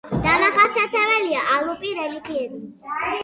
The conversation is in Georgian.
დამახასიათებელია ალპური რელიეფი.